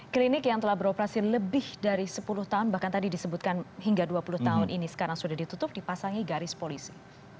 klinik yang telah beroperasi lebih dari sepuluh tahun bahkan tadi disebutkan hingga dua puluh tahun ini sekarang sudah ditutup dipasangi garis polisi